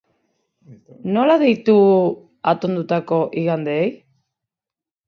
Nola deitu ajz atondutako igandeei?